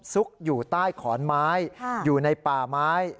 ซุกอยู่ใต้ขอนไม้อยู่ในป่าไม้